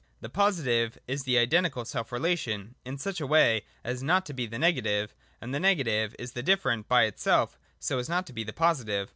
The Positive is the identical self relation in such a way as not to=be the Negative, and the Negative is the different by itself so as not to be the Positive.